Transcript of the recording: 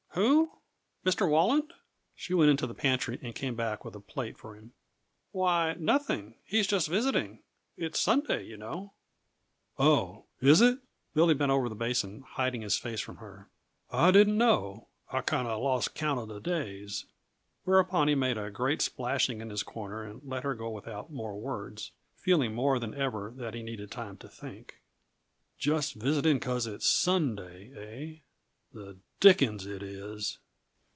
"Who? Mr. Walland?" She went into the pantry and came back with a plate for him. "Why, nothing; he's just visiting. It's Sunday, you know." "Oh is it?" Billy bent over the basin, hiding his face from her. "I didn't know; I'd kinda lost count uh the days." Whereupon he made a great splashing in his corner and let her go without more words, feeling more than ever that he needed time to think. "Just visiting 'cause it's Sunday, eh? The dickens it is!"